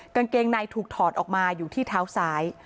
กางเกงในถูกถอดออกมาอยู่ที่เท้าซ้าย